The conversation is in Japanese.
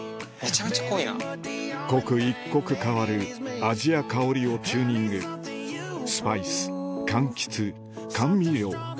刻一刻変わる味や香りをチューニングスパイス柑橘甘味料